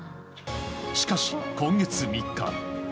しかし、今月３日。